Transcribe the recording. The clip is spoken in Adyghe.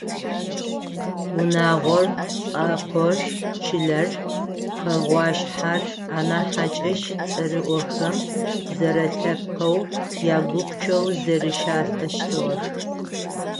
Унагъор, лӏакъор, чылэр, хэгъуашъхьэр, анахь хьакӏэщ цӏэрыӏохэм – зэрэлъэпкъэу ягупчэу зэрищалӏэщтыгъэх.